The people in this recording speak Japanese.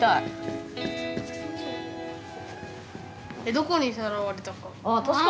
どこにさらわれたか？